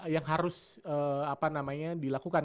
yang harus apa namanya dilakukan